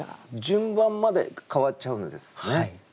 順番まで変わっちゃうんですね。